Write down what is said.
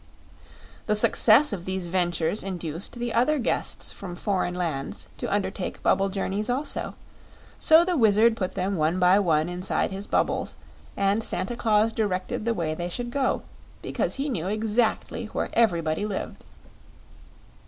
The success of these ventures induced the other guests from foreign lands to undertake bubble journeys, also; so the Wizard put them one by one inside his bubbles, and Santa Claus directed the way they should go, because he knew exactly where everybody lived.